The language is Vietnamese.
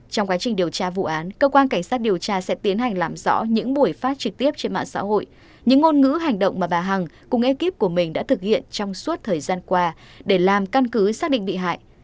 trong quá trình điều tra vụ án cơ quan cảnh sát điều tra sẽ tiến hành làm rõ những buổi phát trực tiếp trên mạng xã hội những ngôn ngữ hành động mà bà hằng cùng ekip của mình đã thực hiện trong suốt thời gian qua để làm căn cứ xác định bị hại